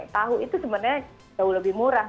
tahu itu sebenarnya jauh lebih murah